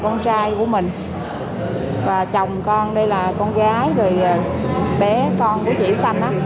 con trai của mình và chồng con đây là con gái rồi bé con của chị xanh á